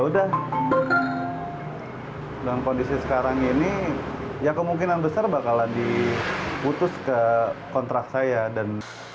udah dalam kondisi sekarang ini ya kemungkinan besar bakalan diputus ke kontrak saya dan